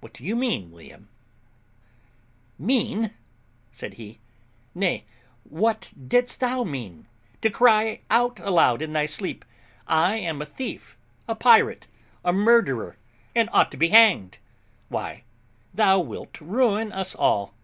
"What do you mean, William?" said I. "Mean!" said he; "nay, what didst thou mean, to cry out aloud in thy sleep, 'I am a thief, a pirate, a murderer, and ought to be hanged'? Why, thou wilt ruin us all.